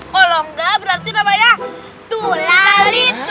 kalau nggak berarti namanya tulalit